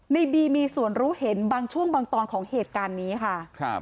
ในบีมีส่วนรู้เห็นบางช่วงบางตอนของเหตุการณ์นี้ค่ะ